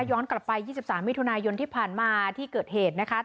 ย้อนกลับไป๒๓มิถุนายนที่ผ่านมาที่เกิดเหตุนะคะ